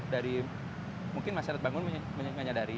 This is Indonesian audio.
dari mungkin masyarakat bangun menyadari